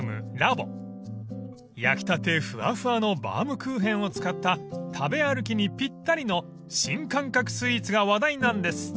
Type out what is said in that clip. ［焼きたてふわふわのバウムクーヘンを使った食べ歩きにぴったりの新感覚スイーツが話題なんです］